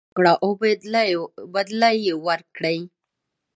نبي کريم ص وفرمایل ښېګڼه وکړه بدله يې ورکړئ.